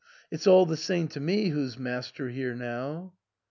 It's all the same to me who's master here now."